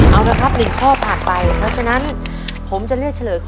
เอาละครับ๑ข้อผ่านไป